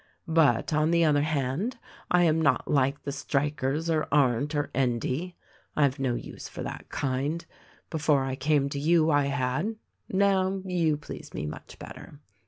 "But, on the other hand, I am not like the strikers or Arndt or Endy. I've no use for that kind. Before I came to you, I had. Now, you please me much better.